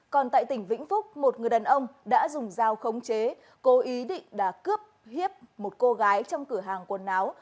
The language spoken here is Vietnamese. còn tại tỉnh vĩnh phúc một người đàn ông đã dùng dao khống chế cố ý định đã cướp hiếp một cô gái trong cửa hàng quần áo